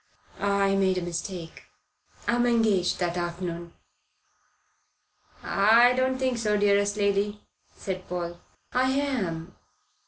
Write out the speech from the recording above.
I made a mistake. I'm engaged that afternoon." "I don't think so, dearest lady," said Paul. "I am."